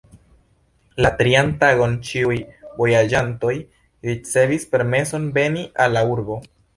La trian tagon ĉiuj vojaĝantoj ricevis permeson veni al la urbo.